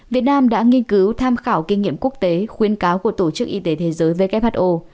việt nam đã nghiên cứu tham khảo kinh nghiệm quốc tế khuyên cáo của tổ chức y tế thế giới who